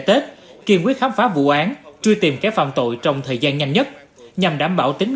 tết kiên quyết khám phá vụ án truy tìm kẻ phạm tội trong thời gian nhanh nhất nhằm đảm bảo tính